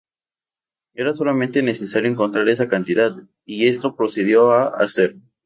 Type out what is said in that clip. Era solamente necesario encontrar esa cantidad, y esto procedió a hacer.